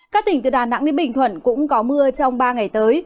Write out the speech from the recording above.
các tỉnh từ đà nẵng đến bình thuận cũng có mưa trong ba ngày tới